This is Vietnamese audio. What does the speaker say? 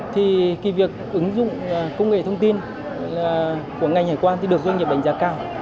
thì việc ứng dụng công nghệ thông tin của ngành hải quan thì được doanh nghiệp đánh giá cao